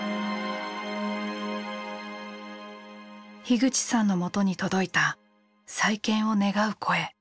口さんのもとに届いた再建を願う声。